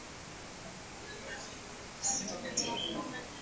ilihamia eneo la Xinjiang Katika karne ya kumi